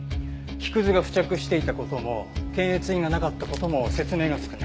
木くずが付着していた事も検閲印がなかった事も説明がつくね。